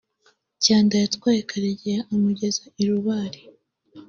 Kyanda yatwaye Karegeya amugeza i Rubare